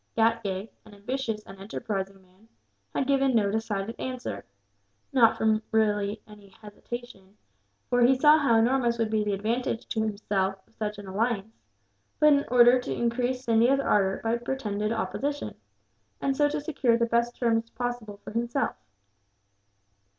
Ghatgay, an ambitious and enterprising man, had given no decided answer; not from any real hesitation, for he saw how enormous would be the advantage, to himself, of such an alliance; but in order to increase Scindia's ardour by pretended opposition, and so to secure the best terms possible for himself.